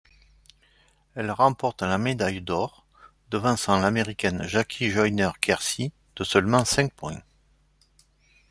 Elle remporte la médaille d'or, devançant l'américaine Jackie Joyner-Kersee de seulement cinq points.